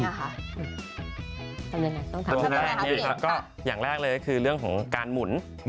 ทำยังไงต้องถามอย่างแรกเลยคือเรื่องของการหมุน